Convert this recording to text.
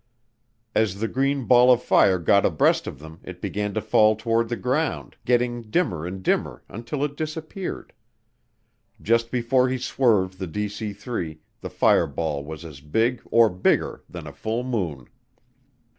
As the green ball of fire got abreast of them it began to fall toward the ground, getting dimmer and dimmer until it disappeared. Just before he swerved the DC 3, the fireball was as big, or bigger, than a full moon.